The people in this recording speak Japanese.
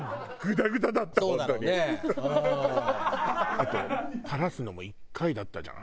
あと垂らすのも１回だったじゃん？